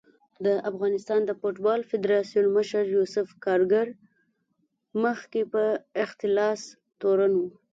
د افغانستان د فوټبال فدارسیون مشر یوسف کارګر مخکې په اختلاس تورن و